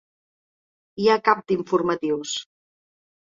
Hi ha cap d’informatius.